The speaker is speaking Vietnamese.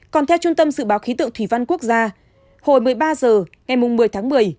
còn theo trung tâm dự báo khí tượng thủy văn quốc gia hồi một mươi ba h ngày một mươi tháng một mươi